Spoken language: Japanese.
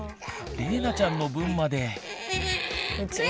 れいなちゃんの分まで。